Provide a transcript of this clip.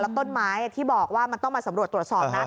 ต้นไม้ที่บอกว่ามันต้องมาสำรวจตรวจสอบนะ